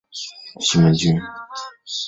西门君遂大为反感。